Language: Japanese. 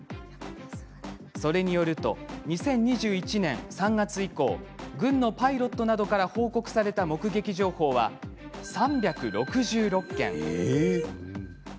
それによると２０２１年３月以降軍のパイロットなどから報告された目撃情報は、３６６件。